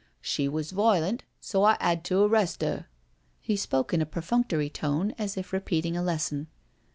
She was violent, so I *ad to arrest *er." He spoke in a perfunctory tone, as if repeating a lesson.